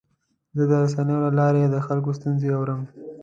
زه د رسنیو له لارې د خلکو ستونزې اورم.